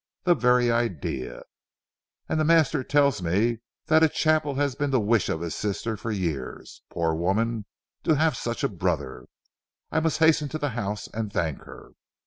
The very idea! And the master tells me that a chapel has been the wish of his sister for years. Poor woman—to have such a brother. I must hasten to the house and thank her."